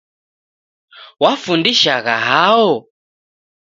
Wafundishagha hao?